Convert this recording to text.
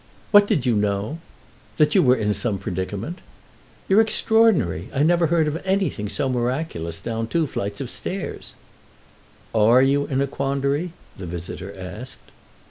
"What did you know?" "That you were in some predicament." "You're extraordinary. I never heard of anything so miraculous; down two flights of stairs." "Are you in a quandary?" the visitor asked.